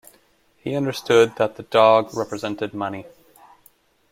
He understood that the dog represented money.